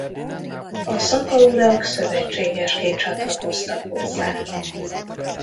A szakaurak szövetségesként csatlakoztak hozzá.